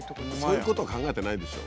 そういうこと考えてないでしょ。